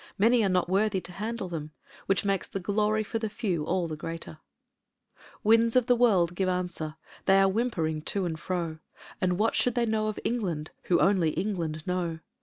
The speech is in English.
Many are not worthy to handle them, whidi makes the glory for the few all the greater. ... THE WOMAN AND THE MAN 255 Winds of the world, give answer ! They are whimpering to and f ro— And what should they know of England, who only England know?